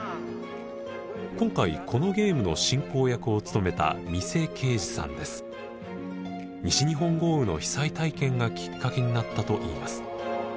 今回このゲームの進行役を務めた西日本豪雨の被災体験がきっかけになったといいます。